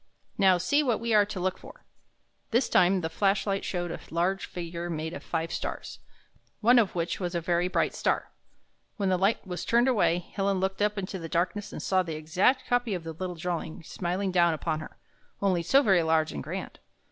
Now, see what we are to look for." This time the flash light showed a large figure made of five stars, one of w^hich was the bright star. When the light was turned away. Helen looked up into the darkness and saw the exact copy of the little di'awing smiling down upon her — only so very large and grand.